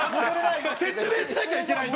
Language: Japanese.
説明しなきゃいけないんで。